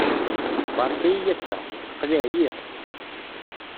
Beṛka-iyi ass-a. Aql-iyi ɛyiɣ.